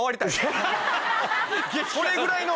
それぐらいの。